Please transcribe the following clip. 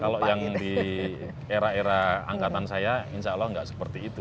kalau yang di era era angkatan saya insya allah nggak seperti itu